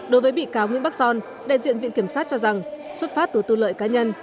đối với bị cáo nguyễn bắc son đại diện viện kiểm sát cho rằng xuất phát từ tư lợi cá nhân